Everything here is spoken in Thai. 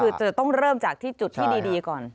คือจะต้องเริ่มจากที่จุดที่ดีก่อน